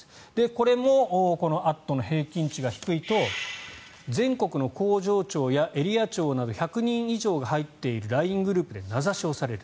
これもこの「＠」の平均値が低いと全国の工場長やエリア長など１００人以上が入っているＬＩＮＥグループで名指しをされる。